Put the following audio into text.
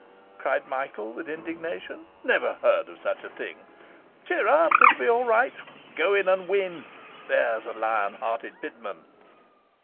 cried Michael, with indignation. 'Never heard of such a thing! Cheer up, it's all right, go in and win there's a lion hearted Pitman!